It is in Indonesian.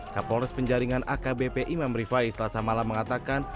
kapolres penjaringan akbp imam rifai selasa malam mengatakan